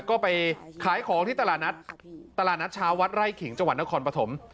ก็ไปขายของที่ตลาดนัดตลาดนัดเช้าวัดไร่ขิงจังหวัดนครปฐม